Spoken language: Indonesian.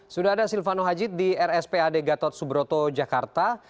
sudah ada silvano hajid di rspad gatot subroto jakarta